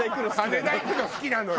羽田行くの好きなのよ